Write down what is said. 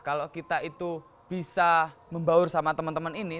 kalau kita itu bisa membaur sama temen temen ini